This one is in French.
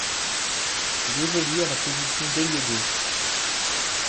Il évolue à la position d'ailier gauche.